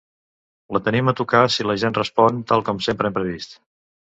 La tenim a tocar si la gent respon, tal com sempre hem previst.